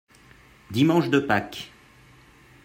dimanche de Pâques.